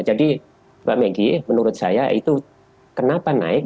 jadi pak meggy menurut saya itu kenapa naik